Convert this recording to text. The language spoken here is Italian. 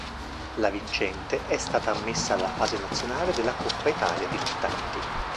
La vincente è stata ammessa alla fase nazionale della Coppa Italia Dilettanti.